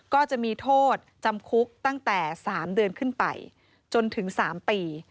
ก็จะมีโทษจำคุกตั้งแต่๓เดือนขึ้นไปจนถึง๓ปี